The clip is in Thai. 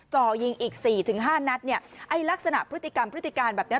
จ่อยิงอีกสี่ถึงห้านัดเนี่ยไอ้ลักษณะพฤติกรรมพฤติการแบบเนี้ย